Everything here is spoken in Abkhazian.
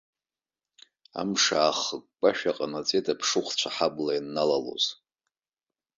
Амш аахыкәкәашәа ҟанаҵеит аԥшыхәцәа аҳабла ианналалоз.